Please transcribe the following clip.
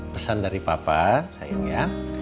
pesan dari papa sayang ya